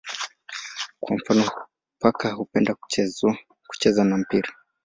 Kwa mfano paka hupenda kucheza kwa mpira.